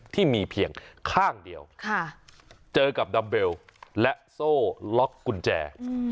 ที่มีเพียงข้างเดียวเจอกับดัมเบลและโซ่ล็อกกุญแจ